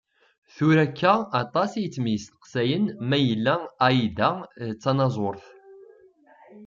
Tura akka, aṭas i yettmesteqsayen mayella Ai-Da d tanaẓurt.